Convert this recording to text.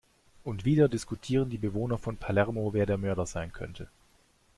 Und wieder diskutieren die Bewohner von Palermo, wer der Mörder sein könnte.